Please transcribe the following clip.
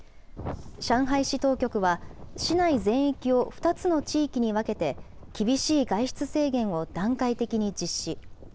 上海市当局は、市内全域を２つの地域に分けて、厳しい外出制限を段階的に実施。